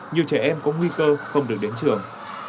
nhiều trẻ em có nguy cơ không được đến trường